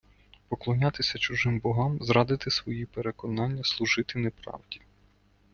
Поклонятися чужим богам - зрадити свої переконання, служити неправді